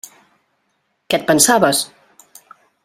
Què et pensaves?